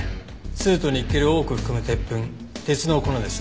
スズとニッケルを多く含む鉄粉鉄の粉です。